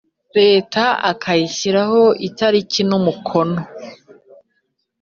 Leta akayishyiraho itariki n umukono